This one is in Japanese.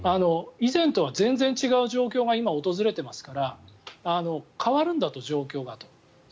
以前とは全然違う状況が今、訪れていますから変わるんだと、状況が。